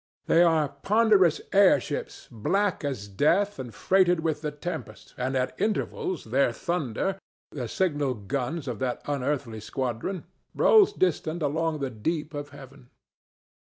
They are ponderous air ships, black as death and freighted with the tempest, and at intervals their thunder—the signal guns of that unearthly squadron—rolls distant along the deep of heaven.